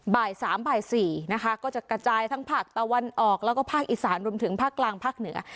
บ่าย๓บ่าย๔นะคะก็จะกระจายทั้งภาคตะวันออกแล้วก็ภาคอีสานรวมถึงภาคกลางภาคเหนือ